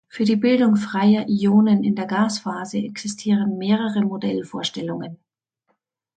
Für die Bildung freier Ionen in der Gasphase existieren mehrere Modellvorstellungen.